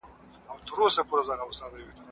راتلونکی سياست به تر ډېره بريده ليبرال بڼه ولري.